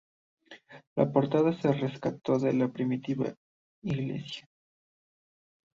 La portada se rescató de la primitiva iglesia.